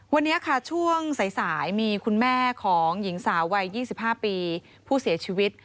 วันนี้ค่ะช่วงสายมีคุณแม่ของหญิงสาววัย๒๕ปีผู้เสียชีวิต